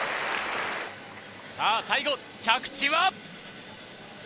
さぁ最後着地は？